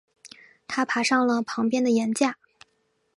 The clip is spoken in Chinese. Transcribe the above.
所以他爬上了旁边的岩架。